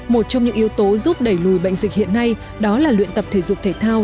một trong những yếu tố giúp đẩy lùi bệnh dịch hiện nay đó là luyện tập thể dục thể thao